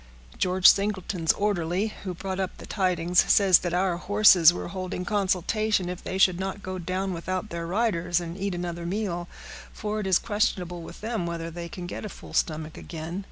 George Singleton's orderly, who brought up the tidings, says that our horses were holding consultation if they should not go down without their riders, and eat another meal, for it is questionable with them whether they can get a full stomach again.